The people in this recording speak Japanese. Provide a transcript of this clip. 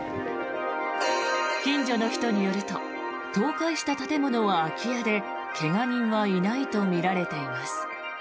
近所の人によると倒壊した建物は空き家で怪我人はいないとみられています。